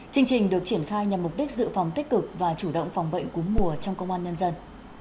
chương trình được triển khai nhằm mục đích dự phòng tích cực và chủ động phòng bệnh cúm mùa trong công an nhân dân